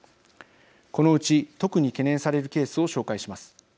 このうち、特に懸念されるケースを紹介します。